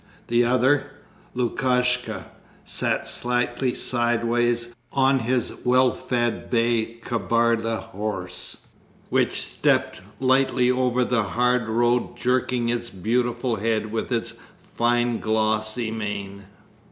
The other, Lukashka, sat slightly sideways on his well fed bay Kabarda horse which stepped lightly over the hard road jerking its beautiful head with its fine glossy mane.